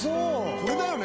「これだよね」